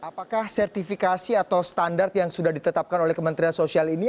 apakah sertifikasi atau standar yang sudah ditetapkan oleh kementerian sosial ini